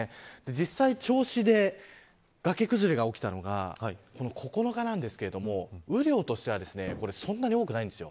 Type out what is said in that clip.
実際、銚子で崖崩れが起きたのが９日なんですけど雨量としてはそんなに多くないんです。